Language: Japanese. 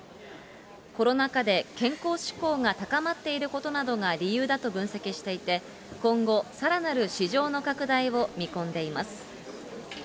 コロナ禍で健康志向が高まっていることなどが理由だと分析していて、今後、さらなる市場の拡大を見込んでいます。